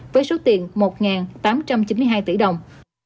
với số tiền một tám trăm chín mươi hai tỷ đồng